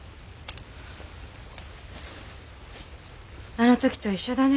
あの時と一緒だね。